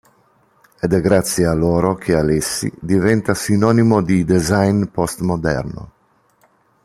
Ed è grazie a loro che Alessi diventa sinonimo di design post-moderno.